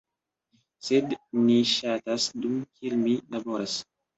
sed ni ŝatas, dum kiel mi laboras